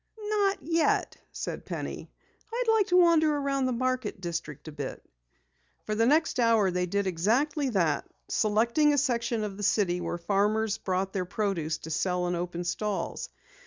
"Not yet," said Penny. "I'd like to wander around the market district a bit." For the next hour they did exactly that, selecting a section of the city where farmers brought their produce to sell in open stalls.